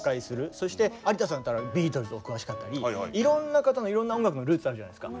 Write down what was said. そして有田さんだったらビートルズお詳しかったりいろんな方のいろんな音楽のルーツあるじゃないですか。